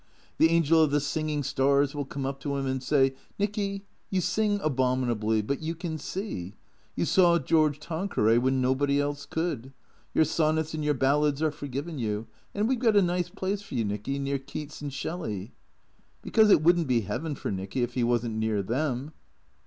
The angel of the singing stars will come up to him and say, ' Nicky, you sing abominably, but you can see. You saw George Tanqueray when nobody else could. Your sonnets and your ballads are forgiven you ; and we 've got a nice place for you, Nicky, near Keats and Shelley.' Because it would n't be heaven for Nicky if he was n't near them."